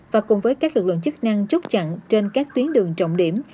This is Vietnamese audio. và cùng với các lực lượng chức năng chốt chặn trên các tuyến đường trọng điểm